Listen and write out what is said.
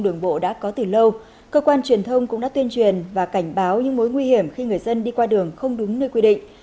đường bộ đã có từ lâu cơ quan truyền thông cũng đã tuyên truyền và cảnh báo những mối nguy hiểm khi người dân đi qua đường không đúng nơi quy định